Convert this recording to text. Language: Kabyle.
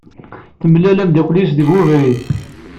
Temlal ameddakel-is deg ubrid.